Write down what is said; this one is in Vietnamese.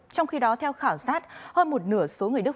trong khi đó theo khảo sát hơn một nửa số người đức